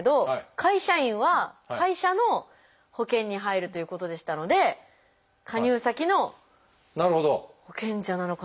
会社員は会社の保険に入るということでしたので加入先の保険者なのかなと思ったけども。